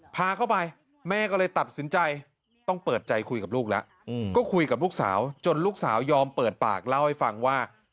พาเข้าไปแม่ก็เลยตัดสินใจต้องเปิดใจคุยกับลูกแล้ว